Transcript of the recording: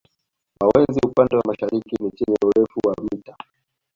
Mawenzi upande wa mashariki ni chenye urefu wa mita